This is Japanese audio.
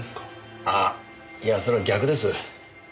あいやそれは逆です。